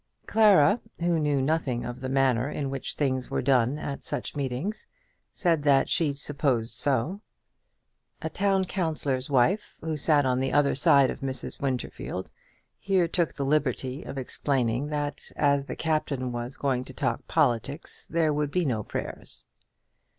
Clara, who knew nothing of the manner in which things were done at such meetings, said that she supposed so. A town councillor's wife who sat on the other side of Mrs. Winterfield, here took the liberty of explaining that as the Captain was going to talk politics there would be no prayers.